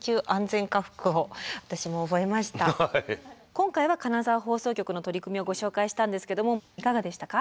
今回は金沢放送局の取り組みをご紹介したんですけどもいかがでしたか？